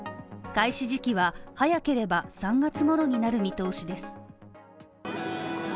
開始時期は早ければ３月ごろになる見通しです。